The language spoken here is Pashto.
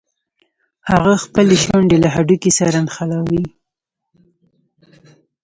هغه خپلې شونډې له هډوکي سره نښلوي.